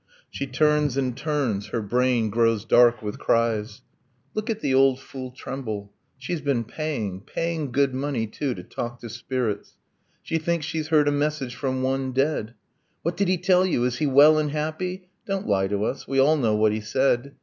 She turns and turns, her brain grows dark with cries. Look at the old fool tremble! She's been paying, Paying good money, too, to talk to spirits. ... She thinks she's heard a message from one dead! What did he tell you? Is he well and happy? Don't lie to us we all know what he said.